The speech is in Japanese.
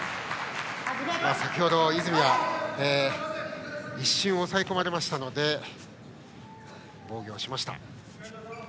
先程、泉は一瞬押さえ込まれましたのでここは防御しました。